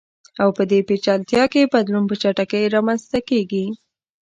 او په دې پېچلتیا کې بدلون په چټکۍ رامنځته کیږي.